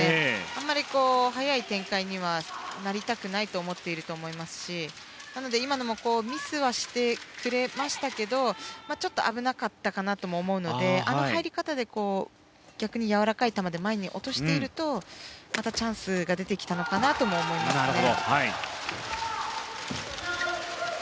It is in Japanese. あまり速い展開にはなりたくないと思っていると思いますしなので今のもミスはしてくれましたけどちょっと危なかったかなとも思うのであの入り方で逆にやわらかい球で前に落としていくとまたチャンスが出てきたのかなとも思いますね。